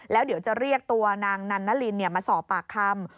แล้วเดี๋ยวจะเรียกตัวนางนันนาลินมาสอบปากคำ